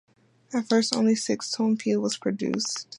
At first only a six tone peal was produced.